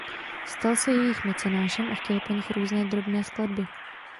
Stal se jejich mecenášem a chtěl po nich různé drobné skladby.